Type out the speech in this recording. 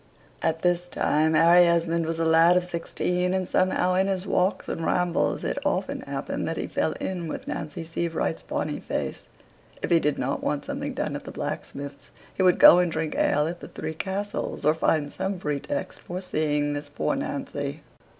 At this time Harry Esmond was a lad of sixteen, and somehow in his walks and rambles it often happened that he fell in with Nancy Sievewright's bonny face; if he did not want something done at the blacksmith's he would go and drink ale at the "Three Castles," or find some pretext for seeing this poor Nancy.